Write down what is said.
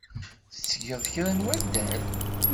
Tettgeḍ kra n waddal?